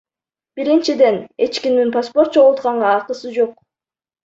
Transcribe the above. Биринчиден, эч кимдин паспорт чогултканга акысы жок.